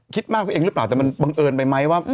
คิดมากไปเองหรือเปล่าแต่มันบังเอิญไปไหมว่า